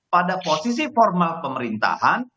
pada posisi formal pemerintahan